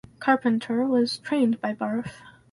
Carpenter was trained by Barth.